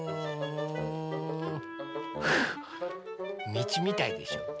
みちみたいでしょ？